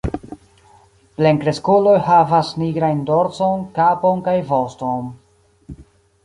Plenkreskuloj havas nigrajn dorson, kapon kaj voston.